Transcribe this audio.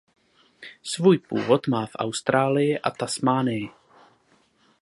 Svůj původ má v Austrálii a Tasmánii.